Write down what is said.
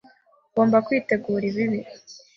Ugomba kwitegura ibibi.